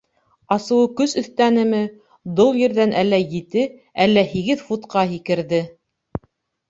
Асыуы көс өҫтәнеме, дол ерҙән әллә ете, әллә һигеҙ футҡа һикерҙе.